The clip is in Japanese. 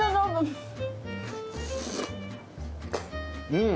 うん！